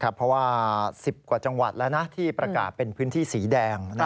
เพราะว่า๑๐กว่าจังหวัดแล้วที่ประกาศเป็นพื้นที่สีแดง